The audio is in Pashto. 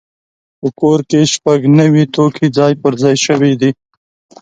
په کور کې شپږ نوي توکي ځای پر ځای شوي دي.